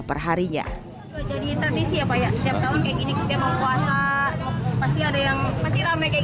perharinya jadi tradisi apa ya setelah kayak gini kita mau puasa pasti ada yang masih rame kayak